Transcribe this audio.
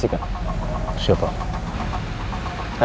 jaga mereka semua ya allah